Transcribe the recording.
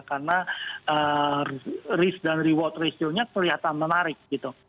karena risk dan reward ratio nya kelihatan menarik gitu